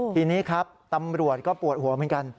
ทีนี้ครับตำรวจก็ปวดหัวเหมือนกัน